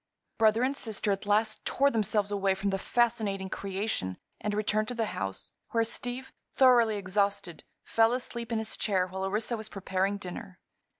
Brother and sister at last tore themselves away from the fascinating creation and returned to the house, where Steve, thoroughly exhausted, fell asleep in his chair while Orissa was preparing dinner.